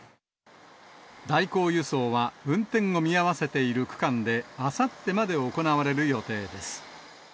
代行輸送は、運転を見合わせている区間で、あさってまで行われる予定です。